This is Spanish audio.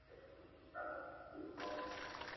Se caracteriza por tener una alta inmunidad al ruido.